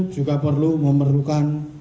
tidak perlu memerlukan